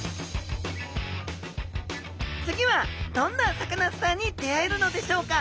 次はどんなサカナスターに出会えるのでしょうか？